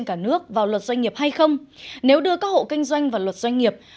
cả nước hiện có hơn năm trăm linh doanh nghiệp